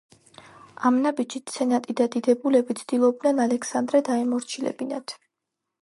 ამ ნაბიჯით, სენატი და დიდებულები ცდილობდნენ ალექსანდრე დაემორჩილებინათ.